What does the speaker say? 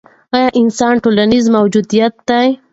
ایا انسان ټولنیز موجود دی؟